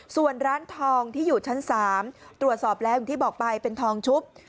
ส่วนร้านทองที่อยู่ชั้น๓ตรวจสอบแล้วอย่างที่บอกไปเป็นทองชุบ